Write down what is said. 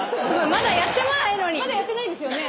まだやってないですよね！